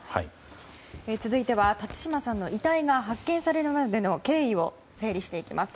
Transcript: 続いては辰島さんの遺体が発見されるまでの経緯を整理します。